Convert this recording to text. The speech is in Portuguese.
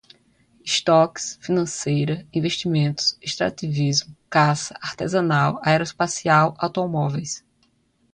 estoques, financeira, investimentos, extrativismo, caça, artesanal, aeroespacial, automóveis